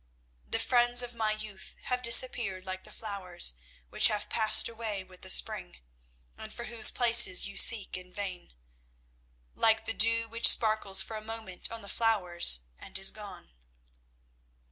The friends of my youth have disappeared like the flowers which have passed away with the spring, and for whose places you seek in vain, like the dew which sparkles for a moment on the flowers and is gone."